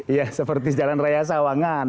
ya seperti jalan raya sawangan